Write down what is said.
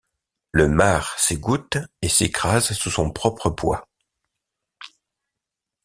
Le marc s'égoutte et s'écrase sous son propre poids.